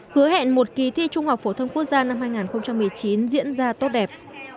hứa hẹn một kỳ thi trung học phổ thông quốc gia năm hai nghìn một mươi chín diễn ra tốt đẹp